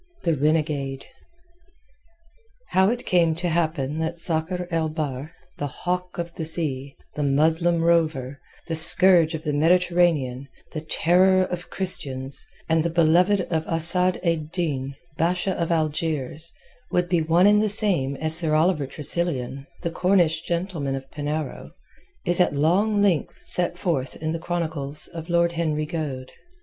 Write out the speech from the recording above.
THE RENEGADE How it came to happen that Sakr el Bahr, the Hawk of the Sea, the Muslim rover, the scourge of the Mediterranean, the terror of Christians, and the beloved of Asad ed Din, Basha of Algiers, would be one and the same as Sir Oliver Tressilian, the Cornish gentleman of Penarrow, is at long length set forth in the chronicles of Lord Henry Goade.